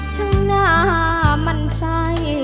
ช่างหน้ามันใส่